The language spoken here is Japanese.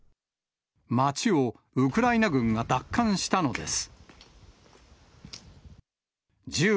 町をウクライナ軍が奪還したのです。